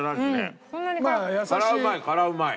辛うまい辛うまい。